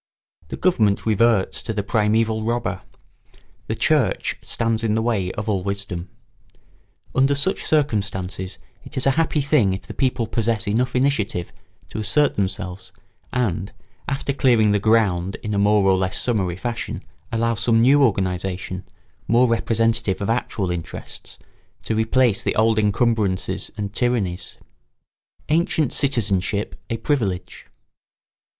The government reverts to the primeval robber; the church stands in the way of all wisdom. Under such circumstances it is a happy thing if the people possess enough initiative to assert themselves and, after clearing the ground in a more or less summary fashion, allow some new organisation, more representative of actual interests, to replace the old encumbrances and tyrannies. [Sidenote: Ancient citizenship a privilege.